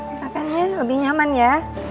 enak kan ya lebih nyaman ya